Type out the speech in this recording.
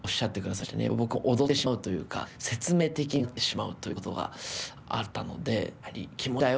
やっぱり僕も踊ってしまうというか説明的になってしまうということがあったのでやはり「気持ちだよ」